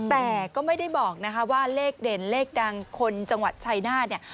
แต่ก็ไม่ได้บอกนะคะว่าเลขเด่นเลขดังคนจังหวัดชัยนาธเนี่ย